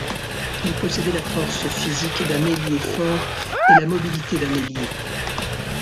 Il possédait la force physique d'un ailier-fort et la mobilité d'un ailier.